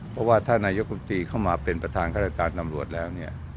เพราะว่าถ้านายกรรมตรีเข้ามาเป็นประธานข้าราชการตำรวจแล้วเนี่ย